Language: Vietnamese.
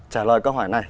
trả lời câu hỏi này